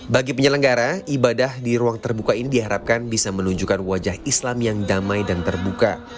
bagi penyelenggara ibadah di ruang terbuka ini diharapkan bisa menunjukkan wajah islam yang damai dan terbuka